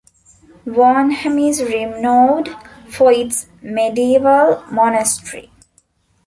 Varnhem is renowned for its medieval monastery.